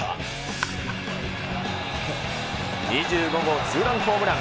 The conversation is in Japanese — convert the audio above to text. ２５号ツーランホームラン。